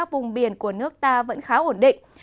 vùng biển của nước ta vẫn khá ổn định